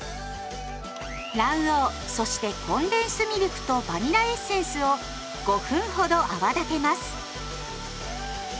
卵黄そしてコンデンスミルクとバニラエッセンスを５分ほど泡立てます。